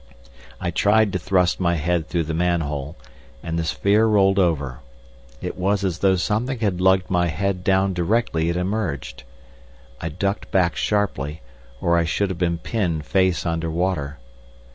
I tried to thrust my head through the manhole, and the sphere rolled over. It was as though something had lugged my head down directly it emerged. I ducked back sharply, or I should have been pinned face under water.